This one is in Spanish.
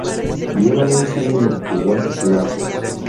Llevan un cíngulo y guantes blancos.